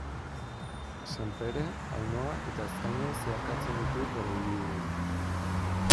Senpere, Ainhoa eta Azkaine zeharkatzen ditu bere ibilbidean.